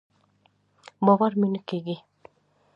باور مې نۀ کېږي.